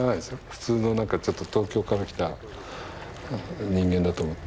普通のなんかちょっと東京から来た人間だと思って。